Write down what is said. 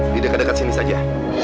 di dekat dekat sini saja